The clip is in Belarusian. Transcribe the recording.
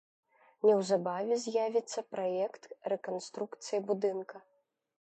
Неўзабаве з'явіцца праект рэканструкцыі будынка.